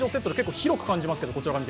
広く見えますけど。